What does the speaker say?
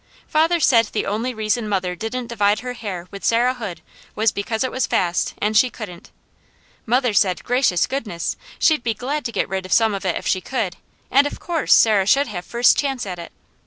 Father said the only reason mother didn't divide her hair with Sarah Hood was because it was fast, and she couldn't. Mother said gracious goodness! she'd be glad to get rid of some of it if she could, and of course Sarah should have first chance at it.